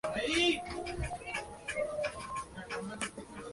Cuenta con la colaboración de Chris Willis en las voces.